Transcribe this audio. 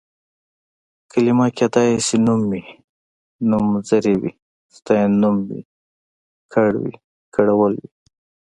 کلمه کيدای شي نوم وي، نومځری وي، ستاینوم وي، کړ وي، کړول وي...